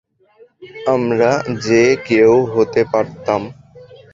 আমরা যে কেউ হতে পারতাম।